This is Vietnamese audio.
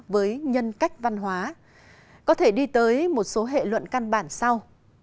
với nhân cách văn hóa có thể đi tới một số hệ luận căn bản sau